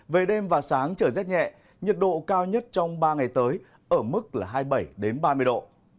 về đêm và sáng trời rét nhẹ nhiệt độ cao nhất trong ba ngày tới ở mức là hai mươi bảy ba mươi độ